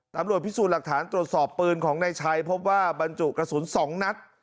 ตำรวจพิสูจน์หลักฐานตรวจสอบปืนของนายชัยพบว่าบรรจุกระสุน๒นัด